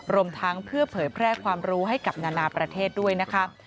รวมทั้งเพื่อเผยแพร่ความรู้ให้กับนานาประเทศด้วยนะคะ